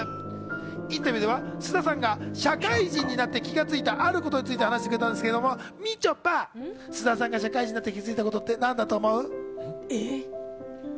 インタビューでは菅田さんが社会人になって気がついたあることについて話してくれたんですけれども、みちょぱ、菅田さんが社会人になって気が付いたことって何だと思う？